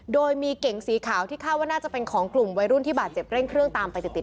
โดยมีเก่งสีขาวที่คาดว่าน่าจะเป็นของกลุ่มวัยรุ่นที่บาดเจ็บเร่งเครื่องตามไปติด